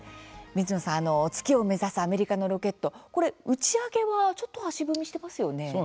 水野さん、月を目指すアメリカのロケット、打ち上げがちょっと足踏みしていますよね。